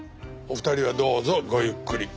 お二人はどうぞごゆっくり。